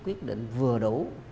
quyết định vừa đủ